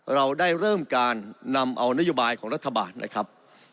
เราได้เริ่มการนำเอานโยบายของรัฐบาลนะครับ